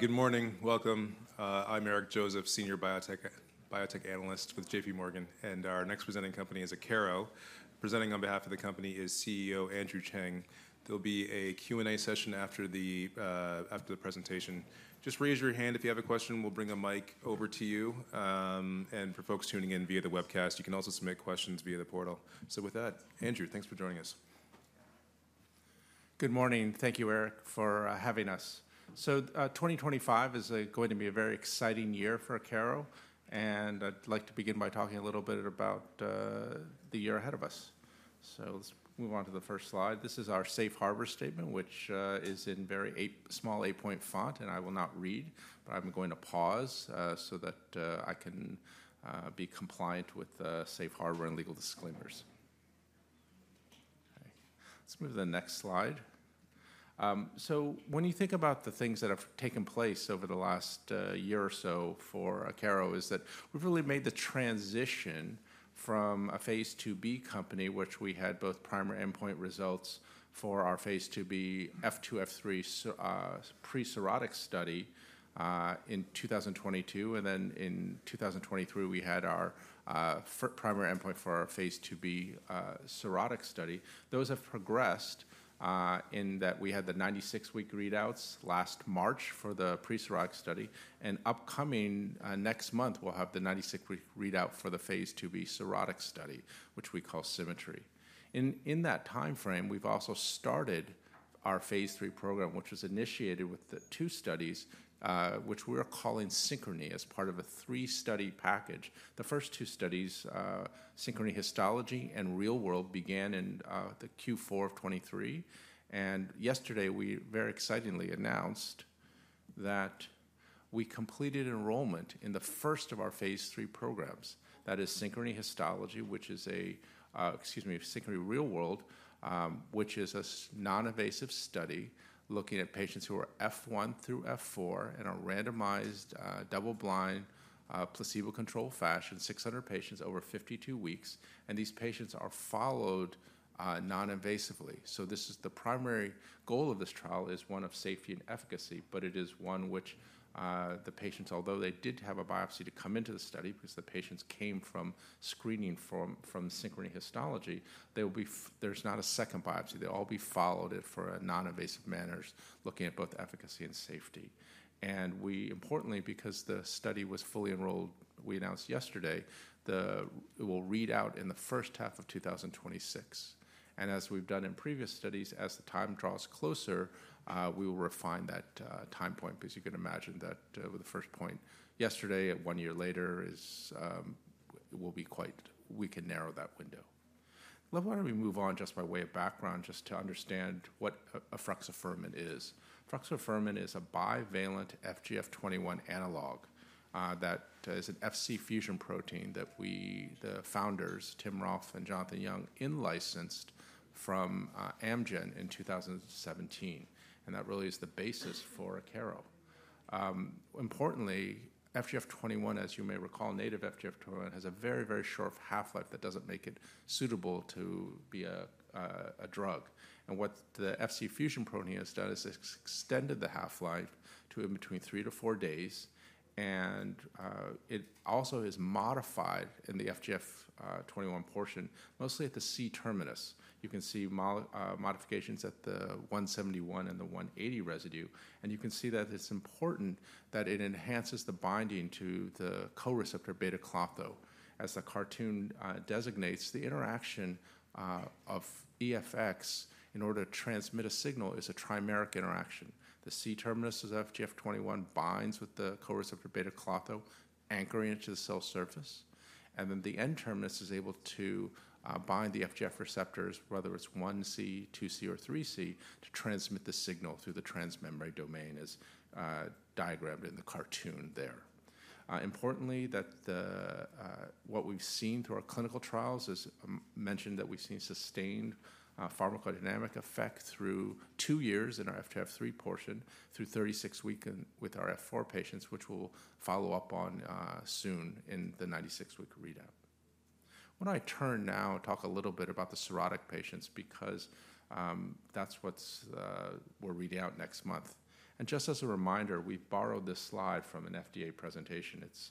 Good morning. Welcome. I'm Eric Joseph, Senior Biotech Analyst with JPMorgan. Our next presenting company is Akero. Presenting on behalf of the company is CEO Andrew Cheng. There'll be a Q&A session after the presentation. Just raise your hand if you have a question. We'll bring a mic over to you. For folks tuning in via the webcast, you can also submit questions via the portal. With that, Andrew thanks for joining us. Good morning. Thank you Eric for having us. So 2025 is going to be a very exciting year for Akero. And I'd like to begin by talking a little bit about the year ahead of us. So let's move on to the first slide. This is our Safe Harbor Statement, which is in very small 8-point font. And I will not read, but I'm going to pause so that I can be compliant with Safe Harbor and legal disclaimers. Let's move to the next slide. So when you think about the things that have taken place over the last year or so for Akero, is that we've really made the transition from a phase 2b company, which we had both primary endpoint results for our Phase 2b F2, F3 pre-cirrhotic study in 2022. And then in 2023, we had our primary endpoint for our Phase 2b cirrhotic study. Those have progressed in that we had the 96-week readouts last March for the pre-cirrhotic study. And upcoming next month, we'll have the 96-week readout for the Phase 2b cirrhotic study, which we call Symmetry. In that time frame, we've also started our phase lll program, which was initiated with two studies, which we are calling SYNCHRONY as part of a three-study package. The first two studies, SYNCHRONY Histology and Real World, began in the Q4 of 2023. And yesterday, we very excitingly announced that we completed enrollment in the first of our phase lll programs. That is SYNCHRONY Histology, which is a, excuse me, SYNCHRONY Real World, which is a non-invasive study looking at patients who are F1 through F4 in a randomized double-blind placebo-controlled fashion, 600 patients over 52 weeks. And these patients are followed non-invasively. So this is the primary goal of this trial, which is one of safety and efficacy. But it is one which the patients, although they did have a biopsy to come into the study because the patients came from screening from SYNCHRONY Histology, there's not a second biopsy. They all be followed in a non-invasive manner, looking at both efficacy and safety. And we, importantly, because the study was fully enrolled, we announced yesterday it will read out in the first half of 2026. And as we've done in previous studies, as the time draws closer, we will refine that time point. Because you can imagine that with the first patient yesterday and one year later will be quite, we can narrow that window. Why don't we move on just by way of background, just to understand what efruxifermin is. Efruxifermin is a bivalent FGF21 analog that is an Fc fusion protein that we, the founders, Tim Rolph and Jonathan Young, in-licensed from Amgen in 2017. That really is the basis for Akero. Importantly, FGF21, as you may recall, native FGF21 has a very, very short half-life that doesn't make it suitable to be a drug. What the FC fusion protein has done is it's extended the half-life to between three to four days. It also is modified in the FGF21 portion, mostly at the C-terminus. You can see modifications at the 171 and the 180 residue. You can see that it's important that it enhances the binding to the co-receptor beta-klotho, as the cartoon designates. The interaction of EFX in order to transmit a signal is a trimeric interaction. The C-terminus of FGF21 binds with the co-receptor beta-klotho, though, anchoring it to the cell surface. And then the N terminus is able to bind the FGF receptors, whether it's 1C, 2C, or 3C, to transmit the signal through the transmembrane domain, as diagrammed in the cartoon there. Importantly, what we've seen through our clinical trials is that we've seen sustained pharmacodynamic effect through two years in our FGF21 portion through 36 weeks with our F4 patients, which we'll follow up on soon in the 96-week readout. When I turn now and talk a little bit about the cirrhotic patients, because that's what we're reading out next month. And just as a reminder, we borrowed this slide from an FDA presentation. It's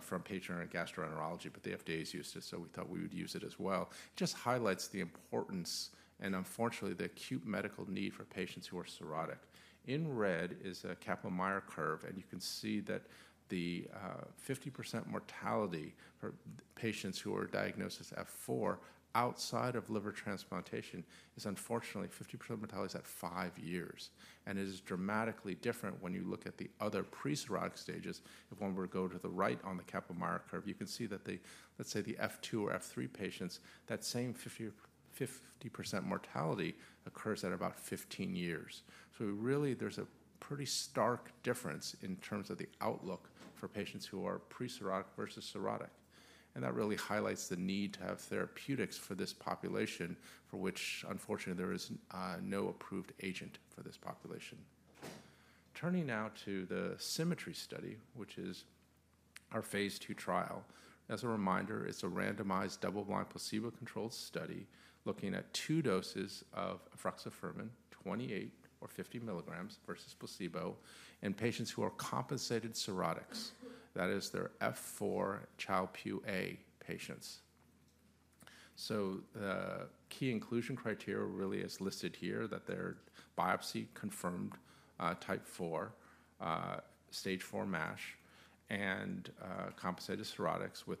from Patel and Gastroenterology, but the FDA is used to it. So we thought we would use it as well. It just highlights the importance and, unfortunately, the acute medical need for patients who are cirrhotic. In red is a Kaplan-Meier curve, and you can see that the 50% mortality for patients who are diagnosed as F4 outside of liver transplantation is, unfortunately, 50% mortality at five years, and it is dramatically different when you look at the other pre-cirrhotic stages. If one were to go to the right on the Kaplan-Meier curve, you can see that the, let's say, F2 or F3 patients, that same 50% mortality occurs at about 15 years, so really, there's a pretty stark difference in terms of the outlook for patients who are pre-cirrhotic versus cirrhotic, and that really highlights the need to have therapeutics for this population, for which, unfortunately, there is no approved agent for this population. Turning now to the Symmetry study, which is our phase ll trial. As a reminder, it's a randomized double-blind placebo-controlled study looking at two doses of efruxifermin, 28 or 50 milligrams versus placebo, in patients who are compensated cirrhotics. That is, they're F4 Child-Pugh A patients, so the key inclusion criteria really is listed here, that they're biopsy-confirmed F4, stage 4 MASH, and compensated cirrhotics with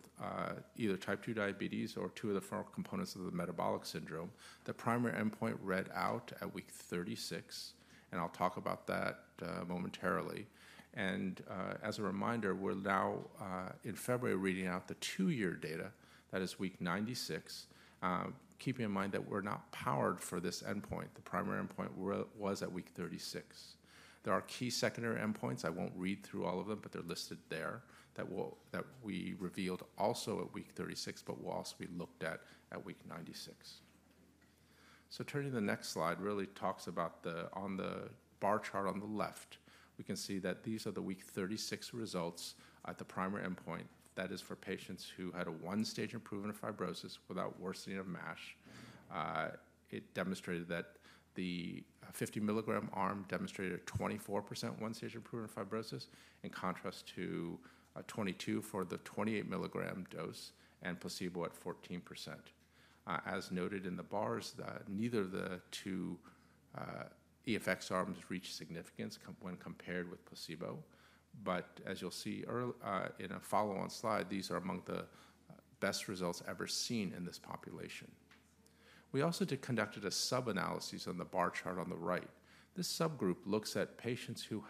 either type 2 diabetes or two of the components of the metabolic syndrome. The primary endpoint read out at week 36, and I'll talk about that momentarily, and as a reminder, we're now in February reading out the two-year data. That is week 96. Keeping in mind that we're not powered for this endpoint. The primary endpoint was at week 36. There are key secondary endpoints. I won't read through all of them, but they're listed there that we revealed also at week 36, but we'll also be looked at at week 96. Turning to the next slide really talks about the bar chart on the left. We can see that these are the week 36 results at the primary endpoint. That is for patients who had a one-stage improvement of fibrosis without worsening of MASH. It demonstrated that the 50 milligram arm demonstrated a 24% one-stage improvement of fibrosis in contrast to 22% for the 28 milligram dose and placebo at 14%. As noted in the bars, neither of the two EFX arms reached significance when compared with placebo. As you'll see in a follow-on slide, these are among the best results ever seen in this population. We also conducted a sub-analysis on the bar chart on the right. This subgroup looks at patients who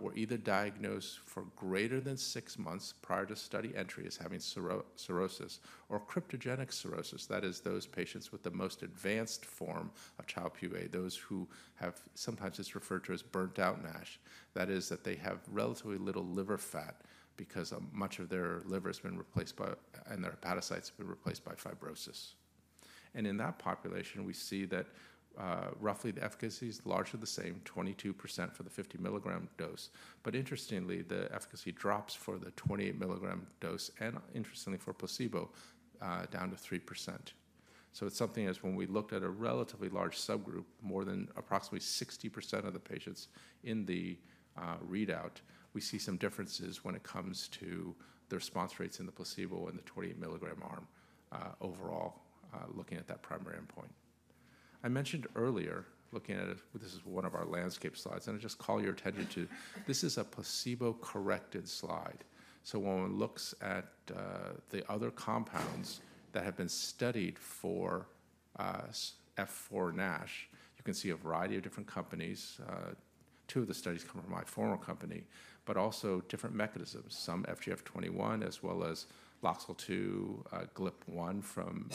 were either diagnosed for greater than six months prior to study entry as having cirrhosis or cryptogenic cirrhosis. That is, those patients with the most advanced form of Child-Pugh A, those who have sometimes just referred to as burned-out MASH. That is, that they have relatively little liver fat because much of their liver has been replaced by, and their hepatocytes have been replaced by fibrosis, and in that population, we see that roughly the efficacy is largely the same, 22% for the 50 milligram dose. But interestingly, the efficacy drops for the 28 milligram dose and, interestingly, for placebo down to 3%, so it's something as when we looked at a relatively large subgroup, more than approximately 60% of the patients in the readout, we see some differences when it comes to their response rates in the placebo and the 28 milligram arm overall, looking at that primary endpoint. I mentioned earlier, looking at, this is one of our landscape slides. And I just call your attention to this is a placebo-corrected slide. So when one looks at the other compounds that have been studied for F4 NASH, you can see a variety of different companies. Two of the studies come from my former company, but also different mechanisms, some FGF21 as well as LOXL2, GLP-1 from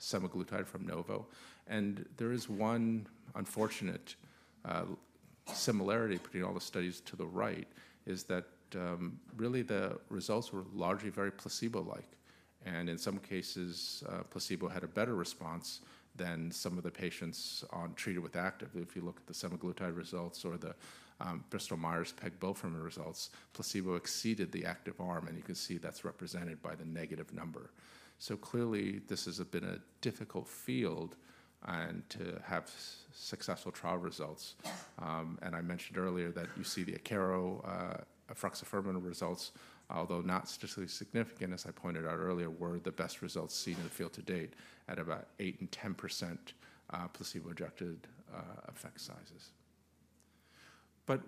semaglutide from Novo. And there is one unfortunate similarity, putting all the studies to the right, is that really the results were largely very placebo-like. And in some cases, placebo had a better response than some of the patients treated with active. If you look at the semaglutide results or the Bristol-Myers Pegbelfermin results, placebo exceeded the active arm. And you can see that's represented by the negative number. So clearly, this has been a difficult field to have successful trial results. I mentioned earlier that you see the Akero efruxifermin results, although not statistically significant, as I pointed out earlier, were the best results seen in the field to date at about 8% and 10% placebo-adjusted effect sizes.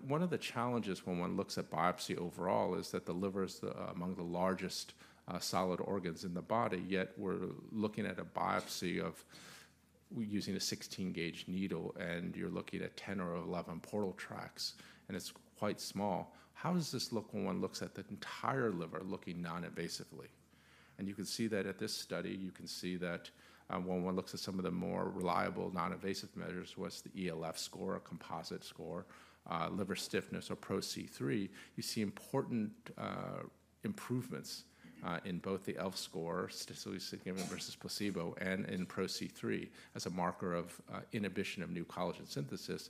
One of the challenges when one looks at biopsy overall is that the liver is among the largest solid organs in the body. Yet we're looking at a biopsy using a 16-gauge needle, and you're looking at 10 or 11 portal tracts. And it's quite small. How does this look when one looks at the entire liver looking non-invasively? You can see that at this study. You can see that when one looks at some of the more reliable non-invasive measures, was the ELF score or composite score, liver stiffness or Pro-C3. You see important improvements in both the L score, statistically significant versus placebo, and in Pro-C3 as a marker of inhibition of new collagen synthesis.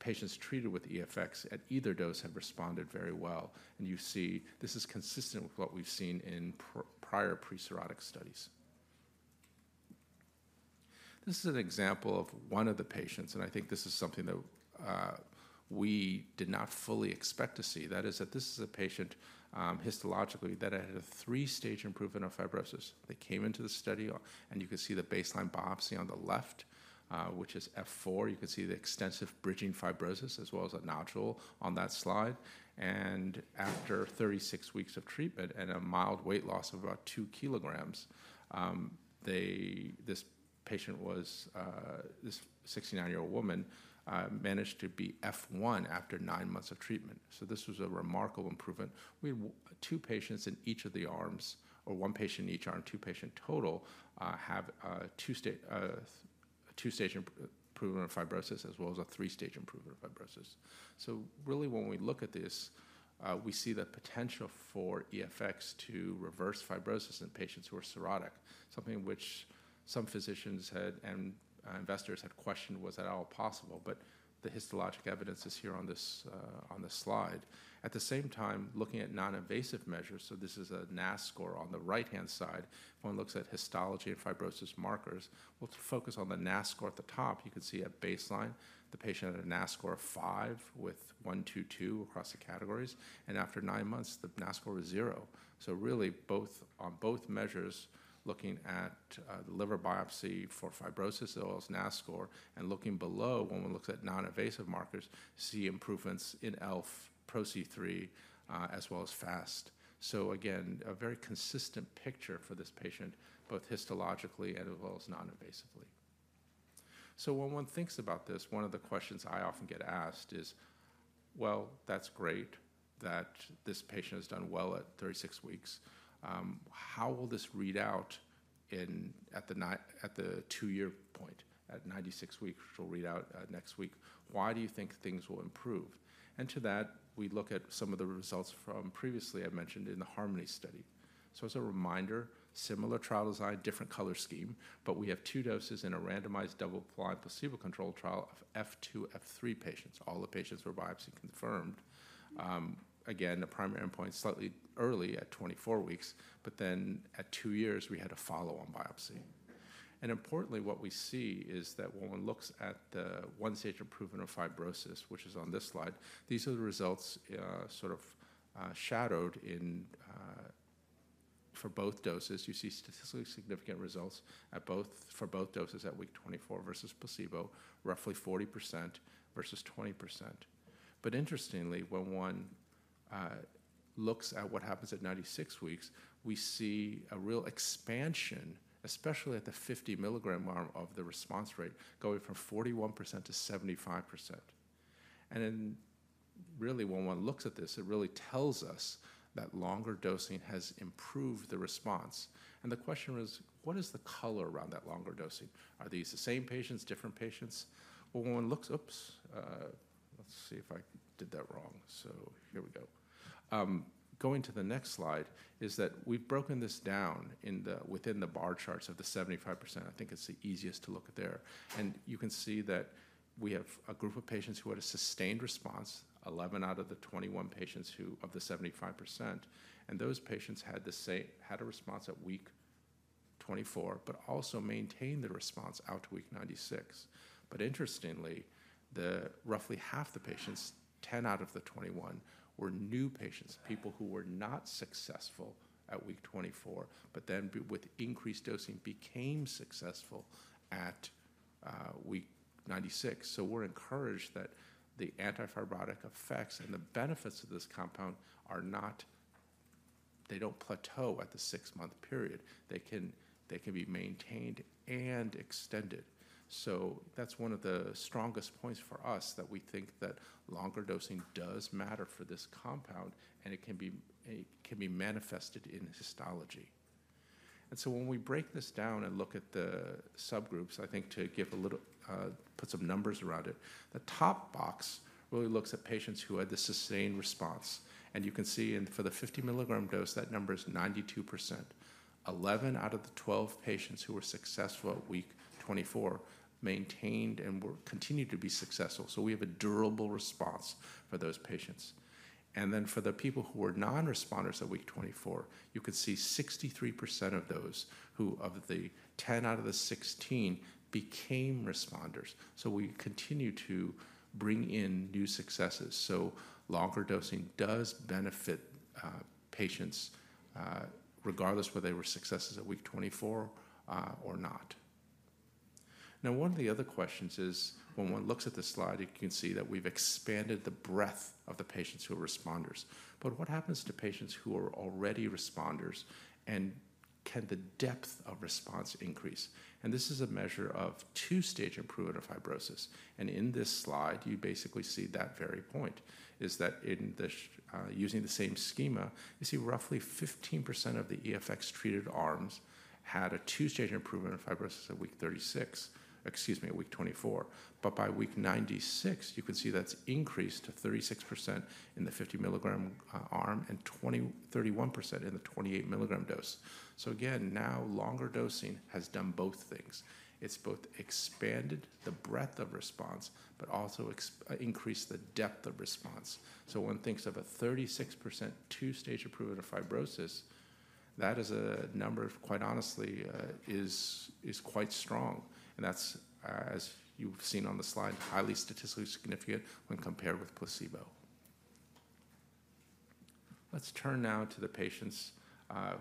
Patients treated with EFX at either dose have responded very well. You see this is consistent with what we've seen in prior pre-cirrhotic studies. This is an example of one of the patients. I think this is something that we did not fully expect to see. That is, that this is a patient histologically that had a three-stage improvement of fibrosis. They came into the study, and you can see the baseline biopsy on the left, which is F4. You can see the extensive bridging fibrosis as well as a nodule on that slide, and after 36 weeks of treatment and a mild weight loss of about two kilograms, this patient, this 69-year-old woman, managed to be F1 after nine months of treatment, so this was a remarkable improvement. We had two patients in each of the arms or one patient in each arm, two patients total have two-stage improvement of fibrosis as well as a three-stage improvement of fibrosis, so really, when we look at this, we see the potential for EFX to reverse fibrosis in patients who are cirrhotic, something which some physicians and investors had questioned, was that all possible? But the histologic evidence is here on this slide. At the same time, looking at non-invasive measures, so this is a NAS score on the right-hand side. If one looks at histology and fibrosis markers, we'll focus on the NAS score at the top. You can see at baseline, the patient had a NAS score of five with 122 across the categories, and after nine months, the NAS score was zero, so really, on both measures, looking at the liver biopsy for fibrosis as well as NAS score and looking below, when one looks at non-invasive markers, see improvements in Pro-C3 as well as FAST, so again, a very consistent picture for this patient, both histologically as well as non-invasively, so when one thinks about this, one of the questions I often get asked is, well, that's great that this patient has done well at 36 weeks. How will this read out at the two-year point, at 96 weeks, which will read out next week? Why do you think things will improve? And to that, we look at some of the results from previously I mentioned in the Harmony study. So as a reminder, similar trial design, different color scheme, but we have two doses in a randomized double-blind placebo-controlled trial of F2, F3 patients. All the patients were biopsy-confirmed. Again, the primary endpoint slightly early at 24 weeks, but then at two years, we had a follow-on biopsy. And importantly, what we see is that when one looks at the one-stage improvement of fibrosis, which is on this slide, these are the results sort of shadowed for both doses. You see statistically significant results for both doses at week 24 versus placebo, roughly 40% versus 20%. But interestingly, when one looks at what happens at 96 weeks, we see a real expansion, especially at the 50 milligram arm of the response rate, going from 41% to 75%. And then really, when one looks at this, it really tells us that longer dosing has improved the response. The question is, what is the color around that longer dosing? Are these the same patients, different patients? When one looks, oops, let's see if I did that wrong. So here we go. Going to the next slide is that we've broken this down within the bar charts of the 75%. I think it's the easiest to look at there. You can see that we have a group of patients who had a sustained response, 11 out of the 21 patients of the 75%. Those patients had a response at week 24, but also maintained their response out to week 96. Interestingly, roughly half the patients, 10 out of the 21, were new patients, people who were not successful at week 24, but then with increased dosing became successful at week 96. We're encouraged that the antifibrotic effects and the benefits of this compound aren't. They don't plateau at the six-month period. They can be maintained and extended. That's one of the strongest points for us that we think that longer dosing does matter for this compound, and it can be manifested in histology. When we break this down and look at the subgroups, I think to put some numbers around it, the top box really looks at patients who had the sustained response. You can see for the 50 milligram dose, that number is 92%. 11 out of the 12 patients who were successful at week 24 maintained and continued to be successful. We have a durable response for those patients. And then for the people who were non-responders at week 24, you could see 63% of those, of the 10 out of the 16, became responders. We continue to bring in new successes. Longer dosing does benefit patients regardless whether they were successes at week 24 or not. Now, one of the other questions is, when one looks at the slide, you can see that we've expanded the breadth of the patients who are responders. But what happens to patients who are already responders? And can the depth of response increase? And this is a measure of two-stage improvement of fibrosis. In this slide, you basically see that very point, is that using the same schema, you see roughly 15% of the EFX-treated arms had a two-stage improvement of fibrosis at week 36, excuse me, at week 24. But by week 96, you can see that's increased to 36% in the 50 milligram arm and 31% in the 28 milligram dose. So again, now longer dosing has done both things. It's both expanded the breadth of response, but also increased the depth of response. So one thinks of a 36% two-stage improvement of fibrosis. That is a number, quite honestly, is quite strong. And that's, as you've seen on the slide, highly statistically significant when compared with placebo. Let's turn now to the patients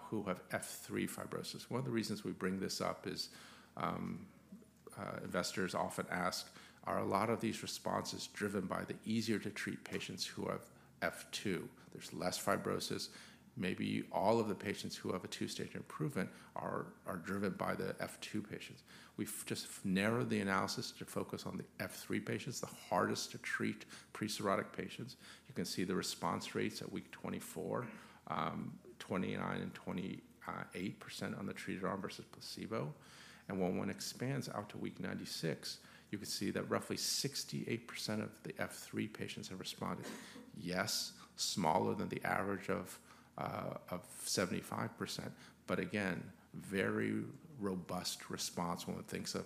who have F3 fibrosis. One of the reasons we bring this up is investors often ask, are a lot of these responses driven by the easier-to-treat patients who have F2? There's less fibrosis. Maybe all of the patients who have a two-stage improvement are driven by the F2 patients. We've just narrowed the analysis to focus on the F3 patients, the hardest-to-treat pre-cirrhotic patients. You can see the response rates at week 24, 29% and 28% on the treated arm versus placebo, and when one expands out to week 96, you can see that roughly 68% of the F3 patients have responded. Yes, smaller than the average of 75%, but again, very robust response. One thinks of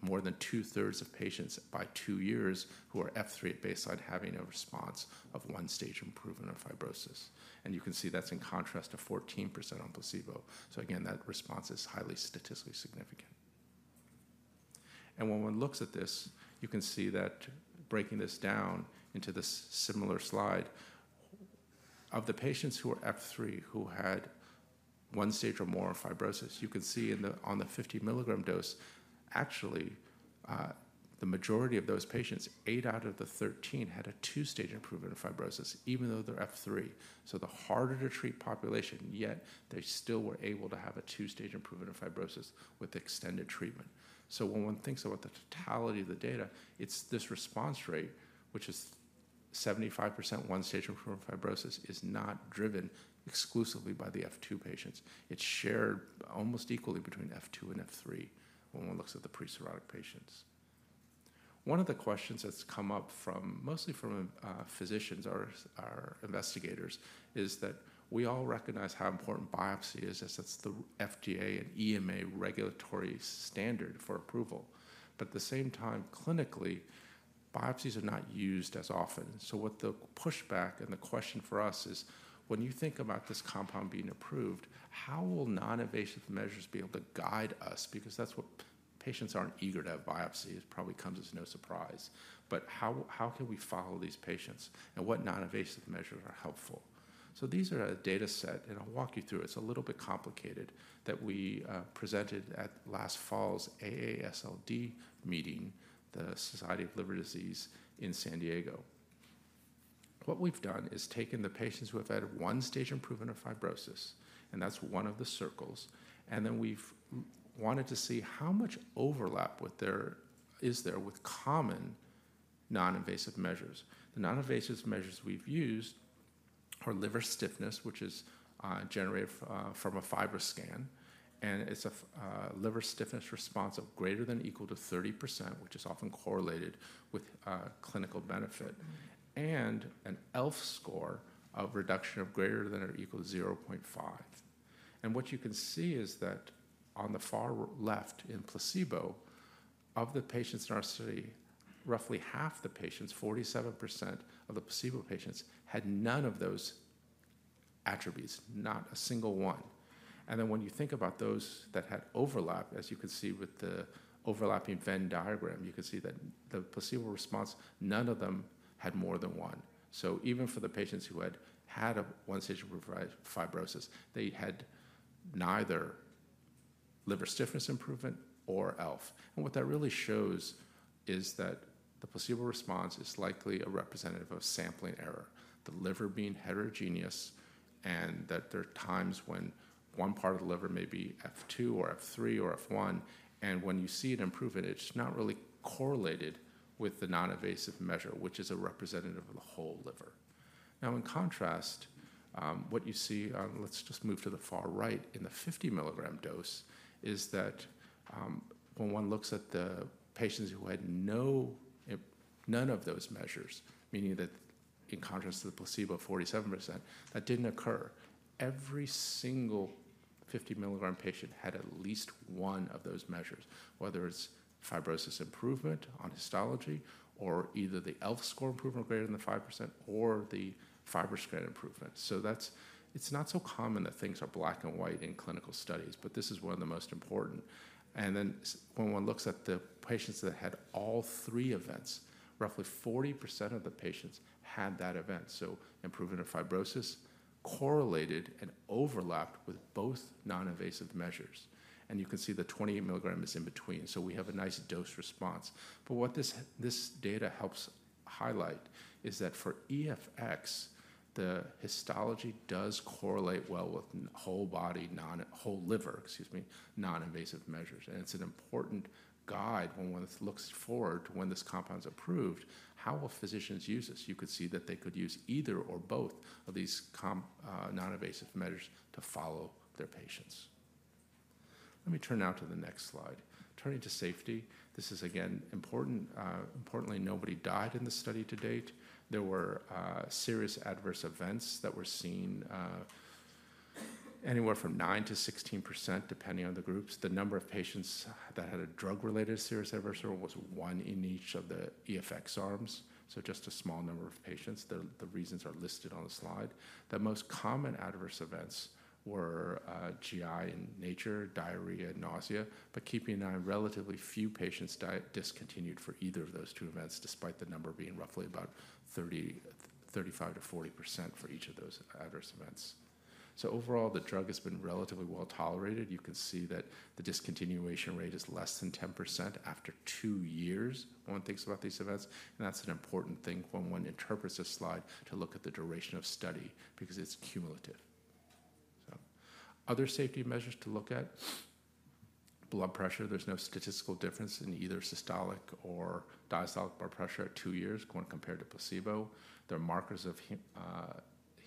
more than two-thirds of patients by two years who are F3 at baseline having a response of one-stage improvement of fibrosis, and you can see that's in contrast to 14% on placebo. So again, that response is highly statistically significant. And when one looks at this, you can see that breaking this down into this similar slide of the patients who are F3 who had one stage or more of fibrosis, you can see on the 50 milligram dose, actually, the majority of those patients, eight out of the 13, had a two-stage improvement of fibrosis, even though they're F3. So the harder-to-treat population, yet they still were able to have a two-stage improvement of fibrosis with extended treatment. So when one thinks about the totality of the data, it's this response rate, which is 75% one-stage improvement of fibrosis, is not driven exclusively by the F2 patients. It's shared almost equally between F2 and F3 when one looks at the pre-cirrhotic patients. One of the questions that's come up mostly from physicians or investigators is that we all recognize how important biopsy is as it's the FDA and EMA regulatory standard for approval, but at the same time, clinically, biopsies are not used as often, so what the pushback and the question for us is, when you think about this compound being approved, how will non-invasive measures be able to guide us? Because that's what patients aren't eager to have biopsies probably comes as no surprise, but how can we follow these patients, and what non-invasive measures are helpful, so these are a data set, and I'll walk you through. It's a little bit complicated that we presented at last fall's AASLD meeting, the American Association for the Study of Liver Diseases, in San Diego. What we've done is taken the patients who have had one-stage improvement of fibrosis, and that's one of the circles. And then we've wanted to see how much overlap is there with common non-invasive measures. The non-invasive measures we've used are liver stiffness, which is generated from a FibroScan. And it's a liver stiffness response of greater than or equal to 30%, which is often correlated with clinical benefit, and an L score of reduction of greater than or equal to 0.5. And what you can see is that on the far left in placebo, of the patients in our study, roughly half the patients, 47% of the placebo patients, had none of those attributes, not a single one. And then when you think about those that had overlap, as you can see with the overlapping Venn diagram, you can see that the placebo response, none of them had more than one. So even for the patients who had had a one-stage improvement of fibrosis, they had neither liver stiffness improvement nor LSM. And what that really shows is that the placebo response is likely a representative of sampling error, the liver being heterogeneous, and that there are times when one part of the liver may be F2 or F3 or F1. And when you see it improving, it's not really correlated with the non-invasive measure, which is a representative of the whole liver. Now, in contrast, what you see, let's just move to the far right in the 50 milligram dose, is that when one looks at the patients who had none of those measures, meaning that in contrast to the placebo, 47%, that didn't occur. Every single 50-milligram patient had at least one of those measures, whether it's fibrosis improvement on histology or either the ELF score improvement greater than 5% or the FibroScan improvement. So it's not so common that things are black and white in clinical studies, but this is one of the most important. And then when one looks at the patients that had all three events, roughly 40% of the patients had that event. So improvement of fibrosis correlated and overlapped with both non-invasive measures. And you can see the 28-milligram is in between. So we have a nice dose-response. But what this data helps highlight is that for EFX, the histology does correlate well with whole body, whole liver, excuse me, non-invasive measures. And it's an important guide when one looks forward to when this compound's approved, how will physicians use this? You could see that they could use either or both of these non-invasive measures to follow their patients. Let me turn now to the next slide. Turning to safety, this is again important. Importantly, nobody died in the study to date. There were serious adverse events that were seen anywhere from 9%-16%, depending on the groups. The number of patients that had a drug-related serious adverse event was one in each of the EFX arms, so just a small number of patients. The reasons are listed on the slide. The most common adverse events were GI in nature, diarrhea, nausea. But keep in mind, relatively few patients discontinued for either of those two events, despite the number being roughly about 35%-40% for each of those adverse events. So overall, the drug has been relatively well tolerated. You can see that the discontinuation rate is less than 10% after two years when one thinks about these events. And that's an important thing when one interprets this slide to look at the duration of study because it's cumulative. So other safety measures to look at: blood pressure. There's no statistical difference in either systolic or diastolic blood pressure at two years when compared to placebo. There are markers of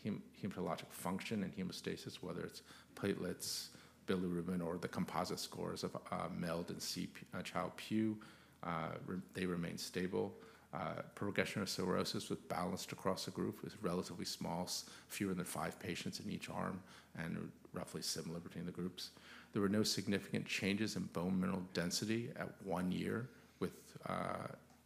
hematologic function and hemostasis, whether it's platelets, bilirubin, or the composite scores of MELD and CP, Child-Pugh. They remain stable. Progression of cirrhosis was balanced across the group. It was relatively small, fewer than five patients in each arm, and roughly similar between the groups. There were no significant changes in bone mineral density at one year with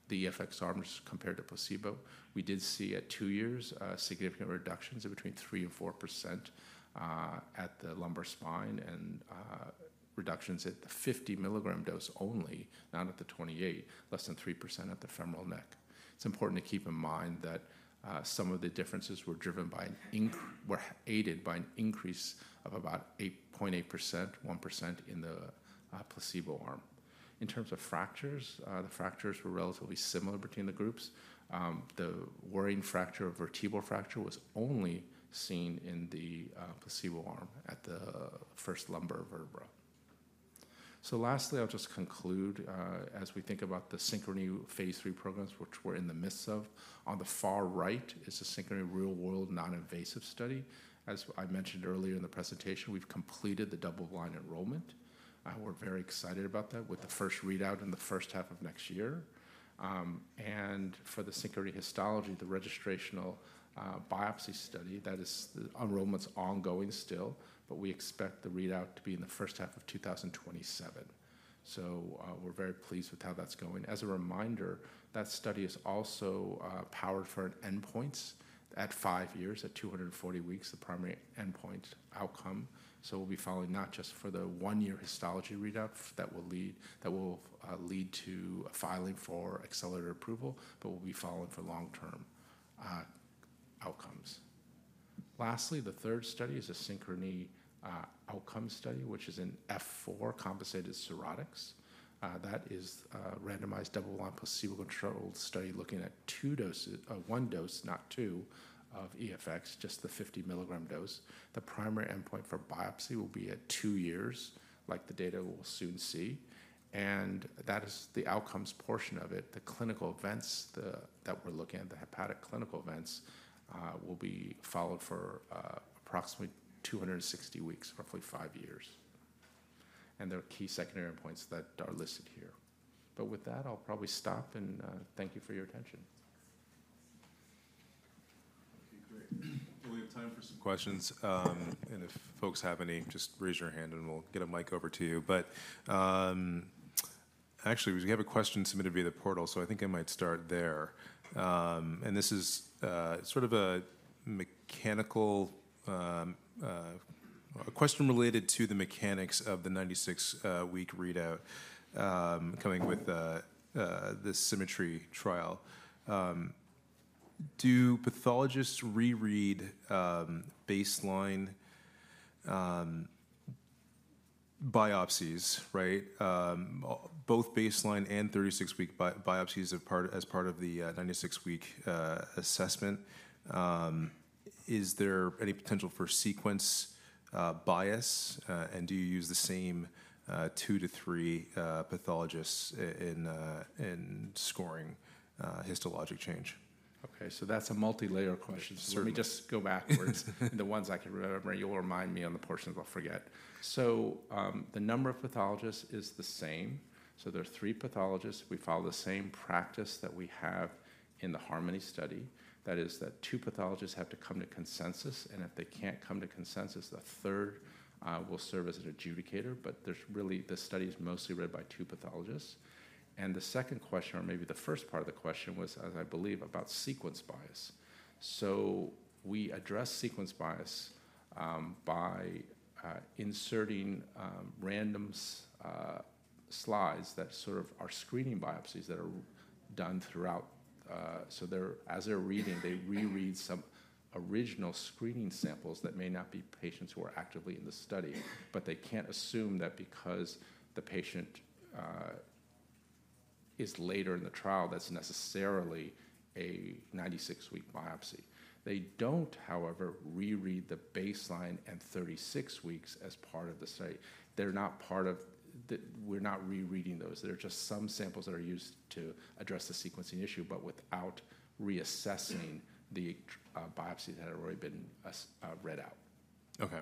the EFX arms compared to placebo. We did see at two years significant reductions of between 3% and 4% at the lumbar spine and reductions at the 50 milligram dose only, not at the 28, less than 3% at the femoral neck. It's important to keep in mind that some of the differences were aided by an increase of about 8.8% to 1% in the placebo arm. In terms of fractures, the fractures were relatively similar between the groups. The worrying fracture of vertebral fracture was only seen in the placebo arm at the first lumbar vertebra. Lastly, I'll just conclude. As we think about the SYNCHRONY phase lll programs, which we're in the midst of, on the far right is the SYNCHRONY Real-World Non-Invasive Study. As I mentioned earlier in the presentation, we've completed the double-blind enrollment. We're very excited about that with the first readout in the first half of next year. For the SYNCHRONY Histology, the registrational biopsy study, that is, the enrollment's ongoing still, but we expect the readout to be in the first half of 2027. We're very pleased with how that's going. As a reminder, that study is also powered for endpoints at five years, at 240 weeks, the primary endpoint outcome. We'll be following not just for the one-year histology readout that will lead to filing for accelerated approval, but we'll be following for long-term outcomes. Lastly, the third study is a SYNCHRONY Outcomes, which is an F4 compensated cirrhotics. That is a randomized double-blind placebo-controlled study looking at one dose, not two, of EFX, just the 50 milligram dose. The primary endpoint for biopsy will be at two years, like the data we'll soon see. That is the outcomes portion of it. The clinical events that we're looking at, the hepatic clinical events, will be followed for approximately 260 weeks, roughly five years. And there are key secondary endpoints that are listed here. But with that, I'll probably stop and thank you for your attention. Okay, great. Do we have time for some questions? And if folks have any, just raise your hand and we'll get a mic over to you. But actually, we have a question submitted via the portal, so I think I might start there. And this is sort of a mechanical question related to the mechanics of the 96-week readout coming with the Symmetry trial. Do pathologists reread baseline biopsies, right, both baseline and 36-week biopsies as part of the 96-week assessment? Is there any potential for sequence bias? And do you use the same two to three pathologists in scoring histologic change? Okay, so that's a multi-layer question. So let me just go backwards. The ones I can remember, you'll remind me on the portions I'll forget. So the number of pathologists is the same. So there are three pathologists. We follow the same practice that we have in the Harmony study. That is that two pathologists have to come to consensus. And if they can't come to consensus, the third will serve as an adjudicator. But really, this study is mostly read by two pathologists. And the second question, or maybe the first part of the question, was, as I believe, about sequence bias. So we address sequence bias by inserting random slides that sort of are screening biopsies that are done throughout. So as they're reading, they reread some original screening samples that may not be patients who are actively in the study, but they can't assume that because the patient is later in the trial, that's necessarily a 96-week biopsy. They don't, however, reread the baseline and 36 weeks as part of the study. They're not part of. We're not rereading those. There are just some samples that are used to address the sequencing issue, but without reassessing the biopsies that had already been read out. Okay.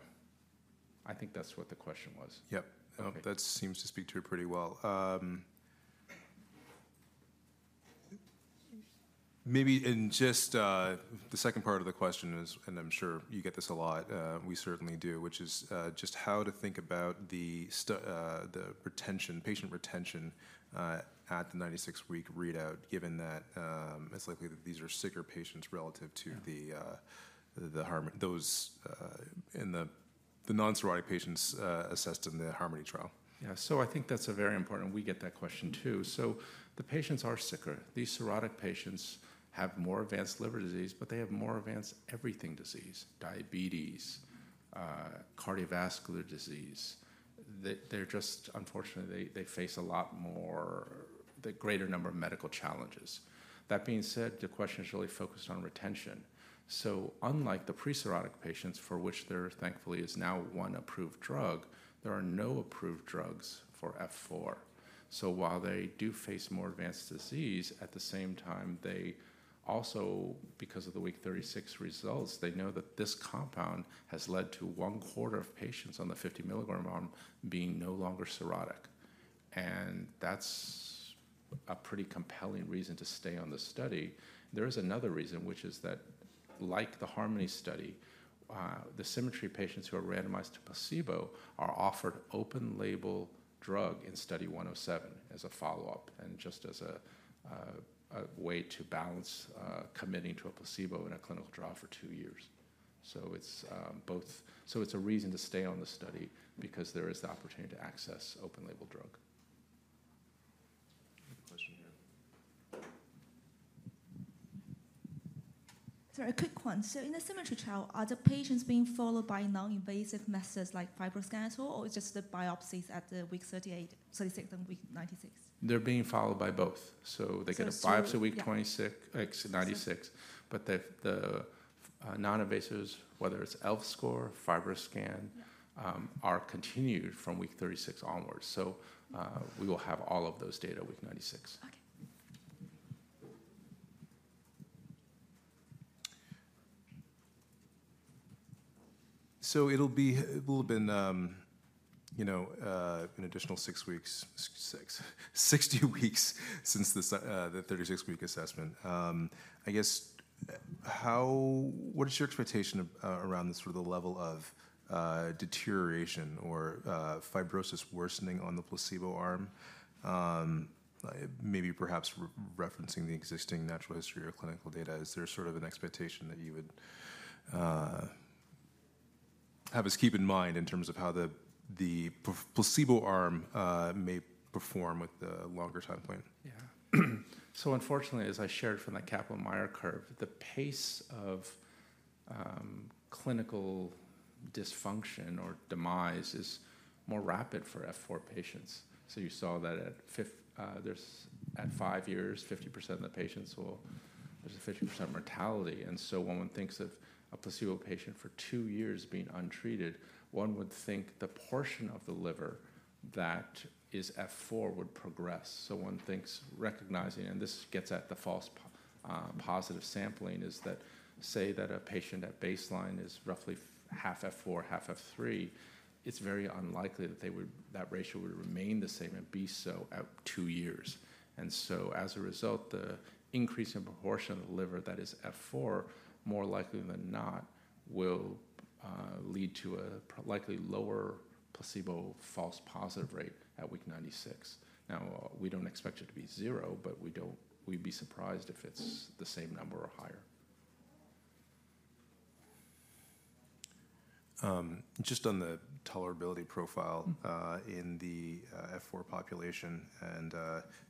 I think that's what the question was. Yep. That seems to speak to it pretty well. Maybe in just the second part of the question, and I'm sure you get this a lot, we certainly do, which is just how to think about the patient retention at the 96-week readout, given that it's likely that these are sicker patients relative to those in the non-cirrhotic patients assessed in the Harmony trial. Yeah, so I think that's a very important, we get that question too. So the patients are sicker. These cirrhotic patients have more advanced liver disease, but they have more advanced everything disease: diabetes, cardiovascular disease. They're just, unfortunately, they face a lot more, the greater number of medical challenges. That being said, the question is really focused on retention. So unlike the pre-cirrhotic patients, for which there, thankfully, is now one approved drug, there are no approved drugs for F4. So while they do face more advanced disease, at the same time, they also, because of the week 36 results, they know that this compound has led to one quarter of patients on the 50 milligram arm being no longer cirrhotic. And that's a pretty compelling reason to stay on the study. There is another reason, which is that, like the Harmony study, the Symmetry patients who are randomized to placebo are offered open-label drug in study 107 as a follow-up and just as a way to balance committing to a placebo in a clinical trial for two years. So it's a reason to stay on the study because there is the opportunity to access open-label drug. Question here. Sorry, a quick one. So in the Symmetry trial, are the patients being followed by non-invasive methods like FibroScan at all, or it's just the biopsies at the week 36 and week 96? They're being followed by both. So they get a biopsy at week 96, but the non-invasives, whether it's ELF score, FibroScan, are continued from week 36 onward. So we will have all of those data week 96. Okay. It'll be a little bit, an additional six weeks, sixty weeks since the 36-week assessment. I guess, what is your expectation around the sort of level of deterioration or fibrosis worsening on the placebo arm, maybe perhaps referencing the existing natural history or clinical data? Is there sort of an expectation that you would have us keep in mind in terms of how the placebo arm may perform with the longer time point? Yeah. So unfortunately, as I shared from that Kaplan-Meier curve, the pace of clinical dysfunction or demise is more rapid for F4 patients. So you saw that at five years, 50% of the patients will. There's a 50% mortality. And so when one thinks of a placebo patient for two years being untreated, one would think the portion of the liver that is F4 would progress. So one thinks, recognizing, and this gets at the false positive sampling, is that say that a patient at baseline is roughly half F4, half F3, it's very unlikely that that ratio would remain the same and be so at two years. And so as a result, the increase in proportion of the liver that is F4, more likely than not, will lead to a likely lower placebo false positive rate at week 96. Now, we don't expect it to be zero, but we'd be surprised if it's the same number or higher. Just on the tolerability profile in the F4 population, and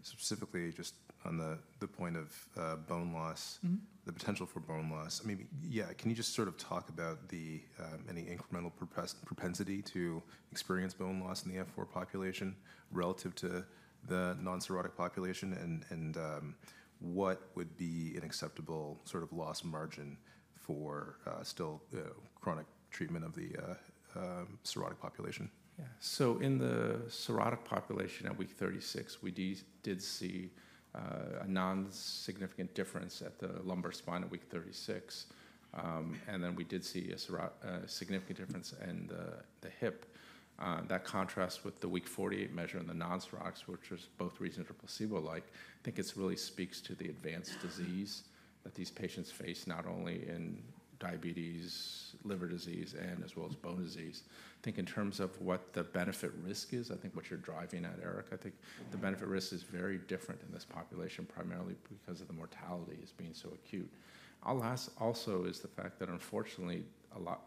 specifically just on the point of bone loss, the potential for bone loss, I mean, yeah, can you just sort of talk about any incremental propensity to experience bone loss in the F4 population relative to the non-cirrhotic population and what would be an acceptable sort of loss margin for still chronic treatment of the cirrhotic population? Yeah. So in the cirrhotic population at week 36, we did see a non-significant difference at the lumbar spine at week 36, and then we did see a significant difference in the hip. That contrasts with the week 48 measure in the non-cirrhotic, which is both reasonable, placebo-like. I think it really speaks to the advanced disease that these patients face, not only in diabetes, liver disease, and as well as bone disease. I think in terms of what the benefit risk is, I think what you're driving at, Eric, I think the benefit risk is very different in this population, primarily because of the mortality as being so acute. I'll ask also is the fact that, unfortunately,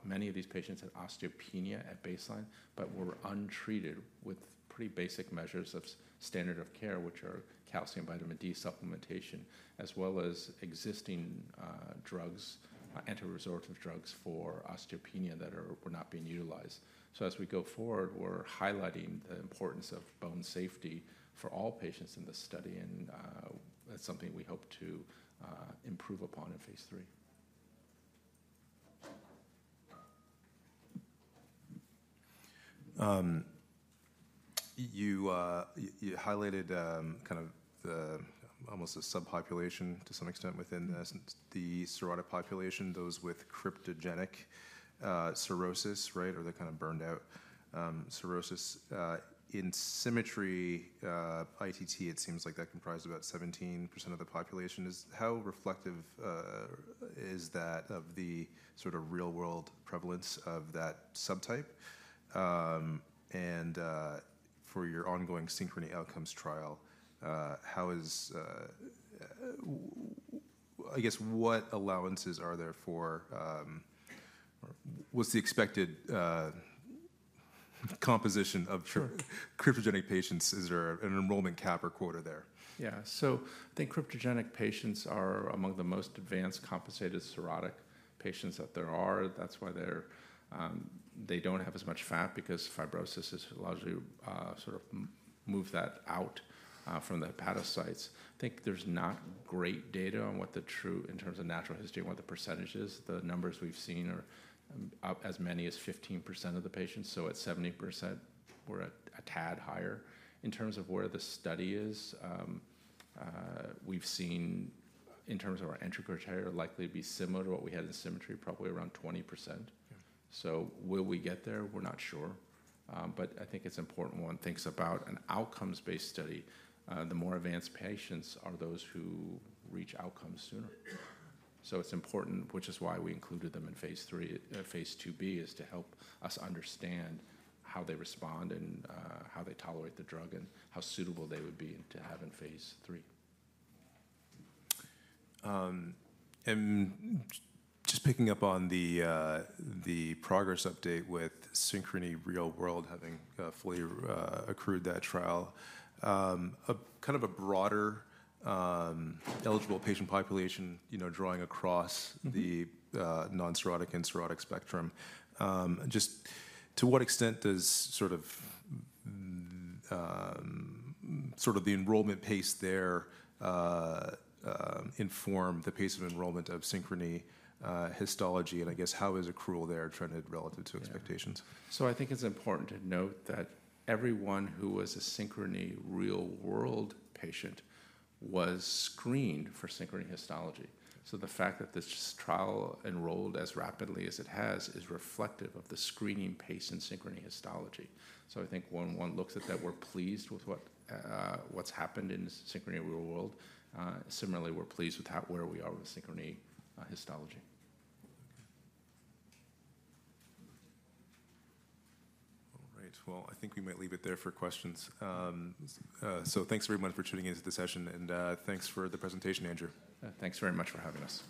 many of these patients had osteopenia at baseline, but were untreated with pretty basic measures of standard of care, which are calcium and vitamin D supplementation, as well as existing drugs, anti-resorptive drugs for osteopenia that were not being utilized. So as we go forward, we're highlighting the importance of bone safety for all patients in this study, and that's something we hope to improve upon in phase lll. You highlighted kind of almost a subpopulation to some extent within the cirrhotic population, those with cryptogenic cirrhosis, right, or the kind of burned-out cirrhosis. In Symmetry ITT, it seems like that comprised about 17% of the population. How reflective is that of the sort of real-world prevalence of that subtype? And for your ongoing SYNCHRONY Outcomes trial, how is—I guess, what allowances are there for—what's the expected composition of cryptogenic patients? Is there an enrollment cap or quota there? Yeah. So I think cryptogenic patients are among the most advanced compensated cirrhotic patients that there are. That's why they don't have as much fat because fibrosis has largely sort of moved that out from the hepatocytes. I think there's not great data on what the true, in terms of natural history and what the percentage is. The numbers we've seen are up as many as 15% of the patients. So at 70%, we're a tad higher. In terms of where the study is, we've seen, in terms of our entry criteria, likely to be similar to what we had in Symmetry, probably around 20%. So will we get there? We're not sure. But I think it's important when one thinks about an outcomes-based study, the more advanced patients are those who reach outcomes sooner. So it's important, which is why we included them in phase lll, Phase 2b, is to help us understand how they respond and how they tolerate the drug and how suitable they would be to have in phase lll. Just picking up on the progress update with SYNCHRONY Real-World having fully accrued that trial, kind of a broader eligible patient population, drawing across the non-cirrhotic and cirrhotic spectrum. Just to what extent does sort of the enrollment pace there inform the pace of enrollment of SYNCHRONY Histology? I guess, how is accrual there trended relative to expectations? So I think it's important to note that everyone who was a SYNCHRONY Real-World patient was screened for SYNCHRONY Histology. So the fact that this trial enrolled as rapidly as it has is reflective of the screening pace in SYNCHRONY Histology. So I think when one looks at that, we're pleased with what's happened in SYNCHRONY Real-World. Similarly, we're pleased with where we are with SYNCHRONY Histology. All right. I think we might leave it there for questions. Thanks, everyone, for tuning into the session. Thanks for the presentation, Andrew. Thanks very much for having us.